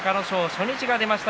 初日が出ました。